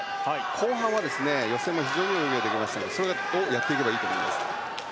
後半は予選も非常にいい泳ぎができましたからそれをやっていけばいいと思います。